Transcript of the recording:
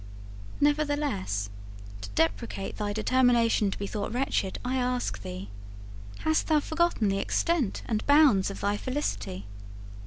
Nevertheless, to deprecate thy determination to be thought wretched, I ask thee, Hast thou forgotten the extent and bounds of thy felicity?